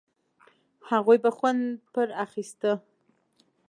هغوی به خوند پر اخيسته.